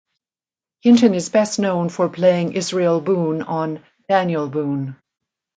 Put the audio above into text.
Hinton is best known for playing Israel Boone on "Daniel Boone".